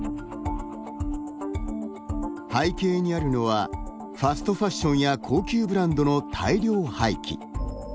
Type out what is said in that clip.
背景にあるのはファストファッションや高級ブランドの大量廃棄。